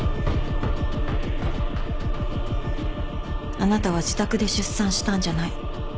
あなたは自宅で出産したんじゃない。